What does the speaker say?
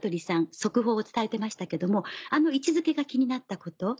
速報を伝えてましたけどもあの位置付けが気になったこと。